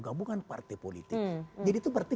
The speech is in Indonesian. gabungan partai politik jadi itu berarti